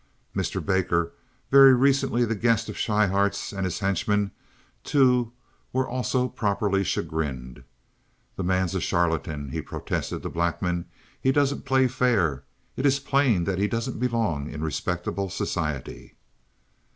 Mr. Baker, very recently the guest of Schryhart, and his henchman, too, was also properly chagrined. "The man is a charlatan," he protested to Blackman. "He doesn't play fair. It is plain that he doesn't belong in respectable society."